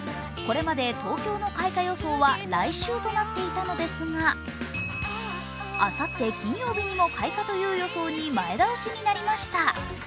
これまで東京の開花予想は来週となっていたのでうが、あさって金曜日にも開花という予想に前倒しになりました。